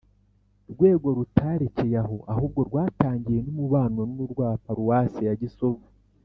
rwego rutarekeye aho, ahubwo rwatangiye n’umubano n’urwa paruwasi ya gisovu.